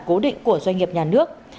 cố định của doanh nghiệp nhà nước